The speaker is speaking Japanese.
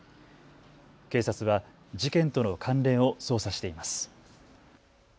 警察は事件との関連を捜査しています。